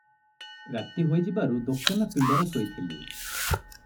ରାତି ହୋଇଯିବାରୁ ଦୋକାନ ପିଣ୍ତାରେ ଶୋଇଥିଲି ।